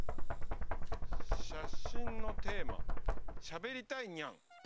「写真のテーマしゃべりたいニャン」。